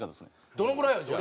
どのぐらいよじゃあ。